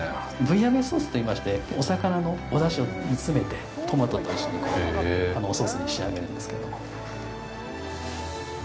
ブイヤベースソースといいまして、お魚のお出汁を煮詰めて、トマトと一緒にソースに仕上げるんですけども。